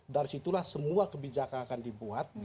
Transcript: dari situlah semua kebijakan akan dibuat